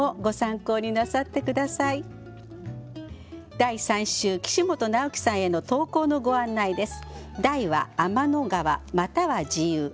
第３週岸本尚毅さんへの投稿のご案内です。